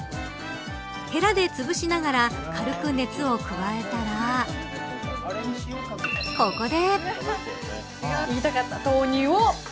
へらでつぶしながら軽く熱を加えたらここで。